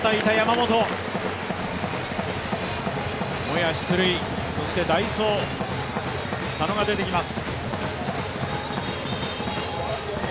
モヤ、出塁、そして代走、佐野が出てきます。